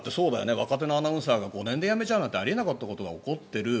若手のアナウンサーが５年で辞めちゃうなんてあり得なかったことが起こっている。